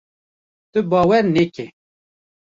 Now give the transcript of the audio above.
Tu bawer neke!